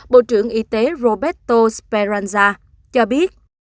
bộ trưởng y tế roberto speranza cho biết